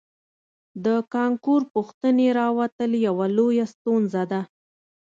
د کانکور پوښتنې راوتل یوه لویه ستونزه ده